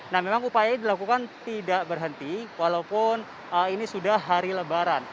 nah memang upaya dilakukan tidak berhenti walaupun ini sudah hari lebaran